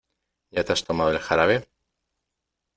¿Ya te has tomado el jarabe?